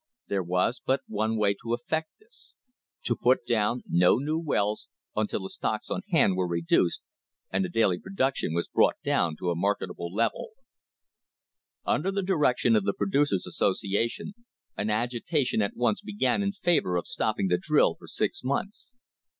There was but one way to effect this — to put down no new wells until the stocks on hand were reduced and the daily production was brought down to a marketable amount. Under the direction of the Producers' Association an agita tion at once began in favour of stopping the drill for six months.